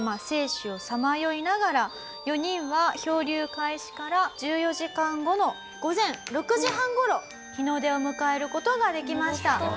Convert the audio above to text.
生死をさまよいながら４人は漂流開始から１４時間後の午前６時半頃日の出を迎える事ができました。